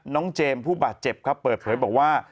เจมส์ผู้บาดเจ็บครับเปิดเผยบอกว่า